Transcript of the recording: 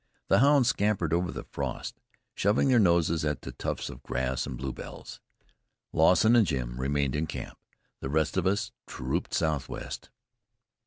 The hounds scampered over the frost, shoving their noses at the tufts of grass and bluebells. Lawson and Jim remained in camp; the rest of us trooped southwest.